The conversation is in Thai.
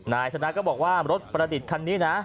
นายชนะก็บอกว่ารถประดิษฐ์คันนี้นะ